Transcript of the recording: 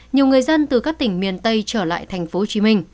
nhiều người dân từ các tỉnh miền tây trở lại tp hcm